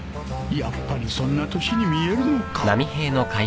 やっぱりそんな年に見えるのか